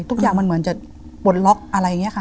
ทุกอย่างมันเหมือนจะปลดล็อกอะไรอย่างนี้ค่ะ